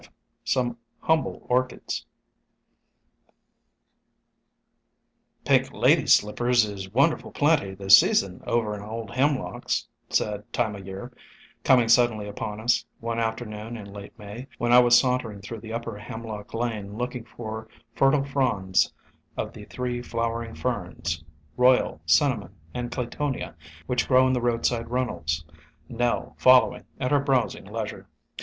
V SOME HUMBLE ORCHIDS INK Ladies' Slippers is wonderful plenty this season over in Old Hemlocks," said Time o' Year, coming suddenly upon us one afternoon in late May, when I was sauntering through the upper Hemlock lane looking for fertile fronds of the three flow ering ferns, Royal, Cinnamon and Claytonia, which grow in the roadside runnels, Nell following at her browsing leisure.